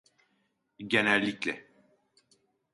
Genellikle.